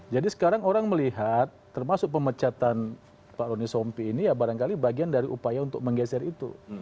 jadi sekarang orang melihat termasuk pemecatan pak roni sompi ini ya barangkali bagian dari upaya untuk menggeser itu